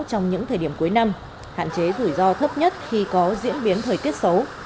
trong những thời điểm cuối năm hạn chế rủi ro thấp nhất khi có diễn biến thời tiết xấu